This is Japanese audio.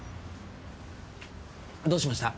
どうしました？